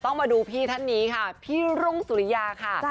มาดูพี่ท่านนี้ค่ะพี่รุ่งสุริยาค่ะ